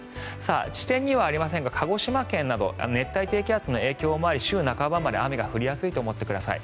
地点にはありませんが鹿児島県など熱帯低気圧の影響もあり週半ばまで雨が降りやすいと思ってください。